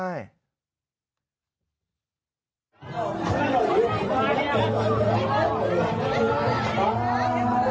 โอ้โฮ